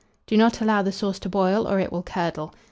Do not allow the sauce to boil, or it will curdle.